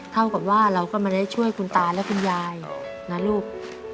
เท่ากับว่าเราก็ไม่ได้ช่วยคุณตาและคุณยายนะลูก